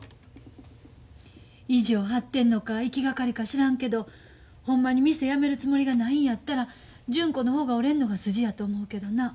意地を張ってんのか行きがかりか知らんけどほんまに店やめるつもりがないんやったら純子の方が折れんのが筋やと思うけどな。